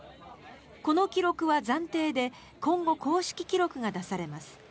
この記録は暫定で今後、公式記録が出されます。